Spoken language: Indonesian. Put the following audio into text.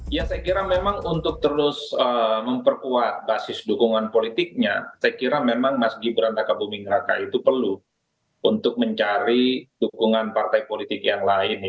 ya saya kira memang untuk terus memperkuat basis dukungan politiknya saya kira memang mas gibran raka buming raka itu perlu untuk mencari dukungan partai politik yang lain